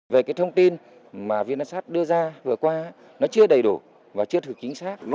về cái thông tin mà vinasat đưa ra vừa qua nó chưa đầy đủ và chưa thực chính xác